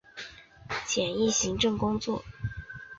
简易行政工作